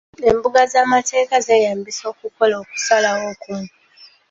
Embuga z'amateeka zeeyambisibwa okukola okusalawo okumu.